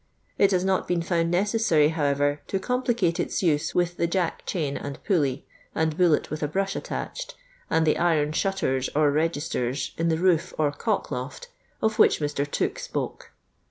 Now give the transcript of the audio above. It has not been found necessary, however, to com plicate its use with the jack chain and pulley, and bullet with a brush attached, and the iron shutters or registers in the roof or cockloft, of which Mr. Tooke spoke.